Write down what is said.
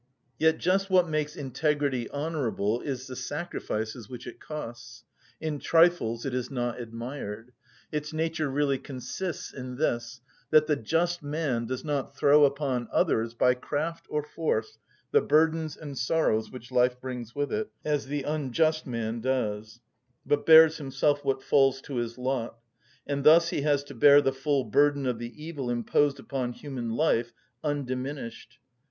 Yet just what makes integrity honourable is the sacrifices which it costs; in trifles it is not admired. Its nature really consists in this, that the just man does not throw upon others, by craft or force, the burdens and sorrows which life brings with it, as the unjust man does, but bears himself what falls to his lot; and thus he has to bear the full burden of the evil imposed upon human life, undiminished.